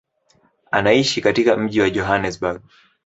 Anaishi katika mji wa Johannesburg.